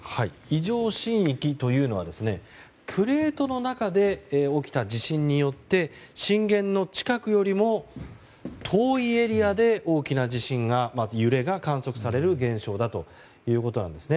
異常震域というのはプレートの中で起きた地震によって震源の近くよりも遠いエリアで大きな地震、揺れが観測される現象だということです。